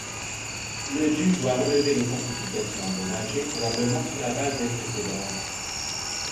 Le duc doit relever les fortifications endommagées, probablement sur la base des précédentes.